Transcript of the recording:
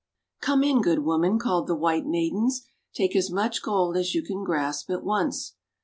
"Come in, good Woman," called the White Maidens. "Take as much gold as you can grasp at once."